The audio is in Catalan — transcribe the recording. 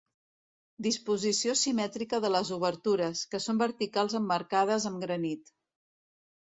Disposició simètrica de les obertures, que són verticals emmarcades amb granit.